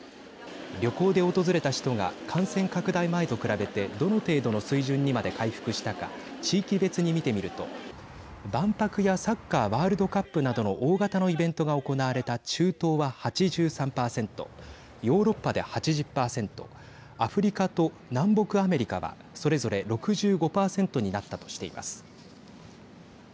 旅行で訪れた人が感染拡大前と比べてどの程度の水準にまで回復したか地域別に見てみると万博やサッカーワールドカップなどの大型のイベントが行われた中東は８３％ヨーロッパで８０％アフリカと南北アメリカはそれぞれ６５％になったとしています。